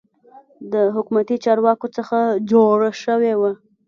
د حکومتي چارواکو څخه جوړه شوې وه.